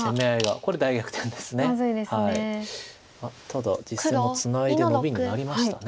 ただ実戦はツナいでノビになりました。